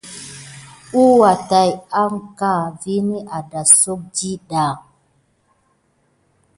Slaywa tät wukiləŋe vini a dasaku ɗiɗa.